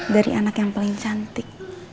dari anak yang paling cantik